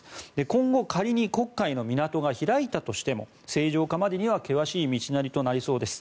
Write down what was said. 今後、仮に黒海の港が開いたとしても正常化までには険しい道のりとなりそうです。